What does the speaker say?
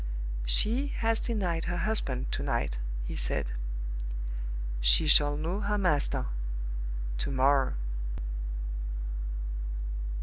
"She has denied her husband to night," he said. "She shall know her master to morrow."